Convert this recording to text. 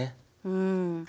うん。